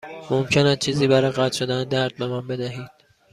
ممکن است چیزی برای قطع شدن درد به من بدهید؟